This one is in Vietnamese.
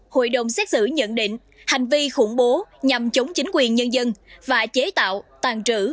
hội đồng xét xử nhận định hành vi khủng bố nhằm chống chính quyền nhân dân và chế tạo tàn trữ